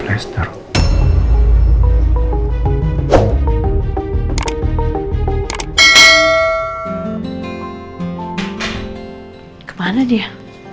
udah kemana dia